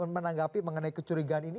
menanggapi mengenai kecurigaan ini